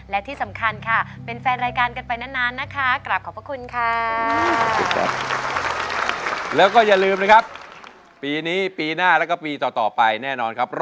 และที่สำคัญค่ะ